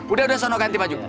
udah udah sono ganti baju